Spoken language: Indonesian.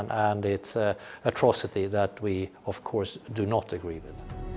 dan ini adalah atroksi yang kita tidak setuju dengan